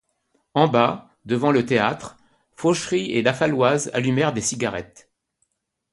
En bas, devant le théâtre, Fauchery et la Faloise allumèrent des cigarettes.